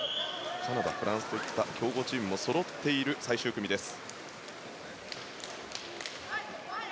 カナダ、フランスといった強豪チームもそろう最終組です。